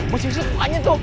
masih masih pokoknya tuh